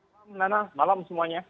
selamat malam semuanya